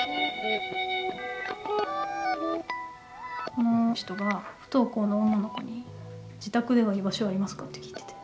この人が不登校の女の子に「自宅では居場所有りますか？」って聞いてて。